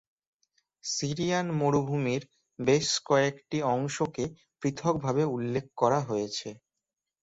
Syrian মরুভূমির বেশ কয়েকটি অংশকে পৃথকভাবে উল্লেখ করা হয়েছে।